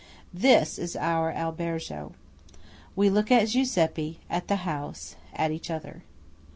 This is our albergo. We look at Giuseppe–at the house–at each other.